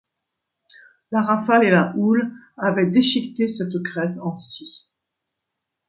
La rafale et la houle avaient déchiqueté cette crête en scie.